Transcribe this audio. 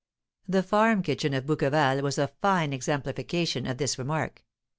The farm kitchen of Bouqueval was a fine exemplification of this remark.